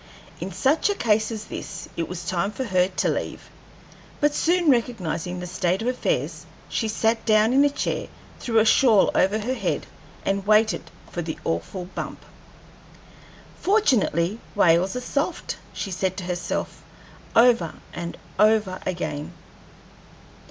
In such a case as this, it was time for her to leave. But soon recognizing the state of affairs, she sat down in a chair, threw a shawl over her head, and waited for the awful bump. "Fortunately whales are soft," she said to her, self over and over again.